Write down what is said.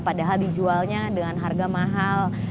padahal dijualnya dengan harga mahal